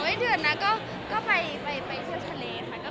ไม่เดือนนะก็ไปเครื่องทะเลค่ะ